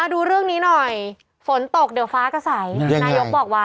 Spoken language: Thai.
ดูเรื่องนี้หน่อยฝนตกเดี๋ยวฟ้าก็ใสนายกบอกว่า